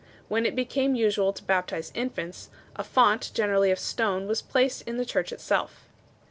When it became usual to baptize infants, a font 3 , generally of stone, was placed in the church itself.